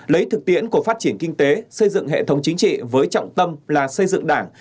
lấy thực tiễn của phát triển kinh tế xây dựng hệ thống chính trị với trọng tâm là xây dựng đảng